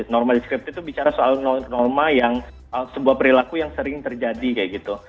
norma deskripsi itu bicara soal norma yang sebuah perilaku yang sering terjadi kayak gitu